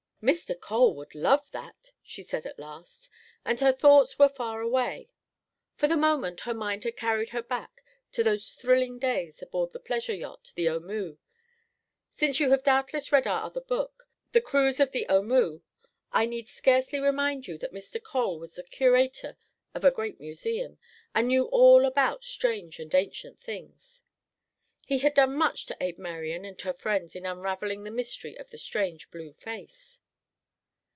"Mr. Cole would love that," she said at last, and her thoughts were far away. For the moment her mind had carried her back to those thrilling days aboard the pleasure yacht, The O'Moo. Since you have doubtless read our other book, "The Cruise of The O'Moo," I need scarcely remind you that Mr. Cole was the curator of a great museum, and knew all about strange and ancient things. He had done much to aid Marian and her friends in unravelling the mystery of the strange blue face.